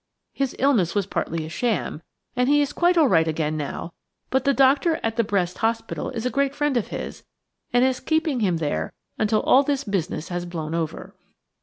His illness was partly a sham, and he is quite all right again now, but the doctor at the Brest hospital is a great friend of his, and is keeping him there until all this business has blown over."